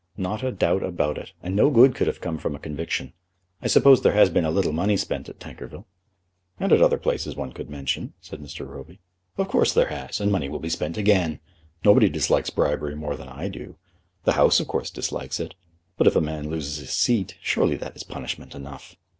"Not a doubt about it; and no good could have come from a conviction. I suppose there has been a little money spent at Tankerville." "And at other places one could mention," said Mr. Roby. "Of course there has; and money will be spent again. Nobody dislikes bribery more than I do. The House, of course, dislikes it. But if a man loses his seat, surely that is punishment enough."